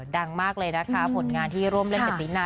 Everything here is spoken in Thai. ดังมากเลยนะคะผลงานที่ร่วมเล่นกับตินา